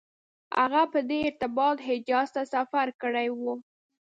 هغه په دې ارتباط حجاز ته سفر کړی و.